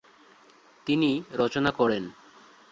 তিনি রচনা করেন ।